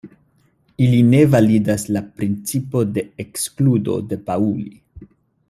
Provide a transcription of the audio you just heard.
Ili ne validas la principo de ekskludo de Pauli.